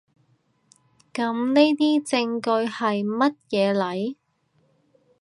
噉呢啲證據喺乜嘢嚟？